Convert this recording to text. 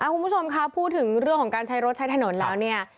คุณผู้ชมครับพูดถึงเรื่องของการใช้รถใช้ถนนแล้วเนี่ย